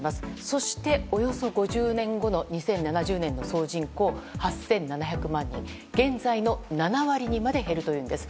そして、およそ５０年後の２０７０年の総人口が８７００万人、現在の７割にまで減るというんです。